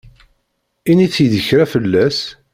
Init-yi-d kra fell-as.